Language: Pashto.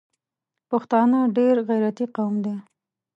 پښتانه ډېر غیرتي قوم ده